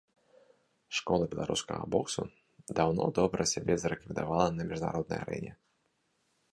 Школа беларускага боксу даўно добра сябе зарэкамендавала на міжнароднай арэне.